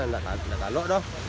dia tidak terlalu